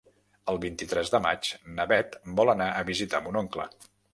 El vint-i-tres de maig na Bet vol anar a visitar mon oncle.